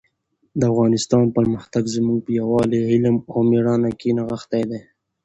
د افغانستان پرمختګ زموږ په یووالي، علم او مېړانه کې نغښتی دی.